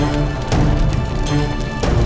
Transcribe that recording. ada apaan sih